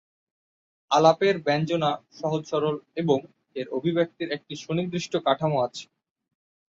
আলাপের ব্যঞ্জনা সহজ সরল এবং এর অভিব্যক্তির একটি সুনির্দিষ্ট কাঠামো আছে।